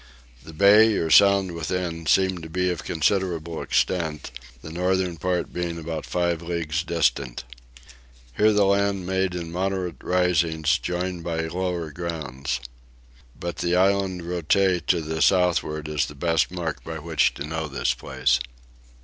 The bay or sound within, seemed to be of a considerable extent, the northern part being about five leagues distant. Here the land made in moderate risings joined by lower grounds. But the island Roti to the southward is the best mark by which to know this place.